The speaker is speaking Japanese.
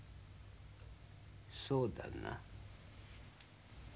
そうだな。